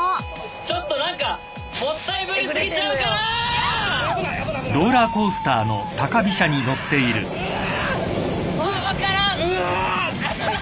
ちょっと何かもったいぶり過ぎちゃうかなぁ⁉うわ！